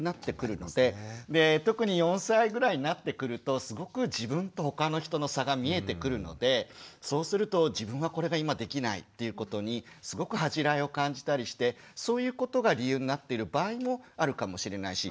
で特に４歳ぐらいになってくると自分と他の人の差が見えてくるのでそうすると自分はこれが今できないっていうことにすごく恥じらいを感じたりしてそういうことが理由になっている場合もあるかもしれないし。